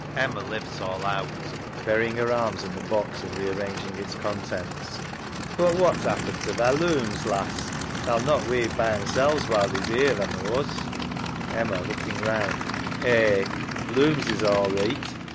[Lifts all out. Burying her arms in the box and rearranging its contents. SARAH. But what's 'appened to thy looms, lass? They'll not weave by 'emselves while thee's 'ere, tha knows. EMMA {looking round). Eh, looms is all reeght.